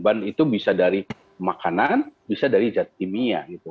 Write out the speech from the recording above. beban itu bisa dari makanan bisa dari zat kimia gitu